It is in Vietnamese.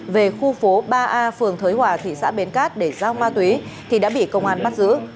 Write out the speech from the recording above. về khu phố ba a phường thới hòa thị xã bến cát để giao ma túy thì đã bị công an bắt giữ